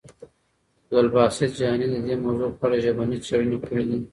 عبدالباسط جهاني د دې موضوع په اړه ژبني څېړنې کړي دي.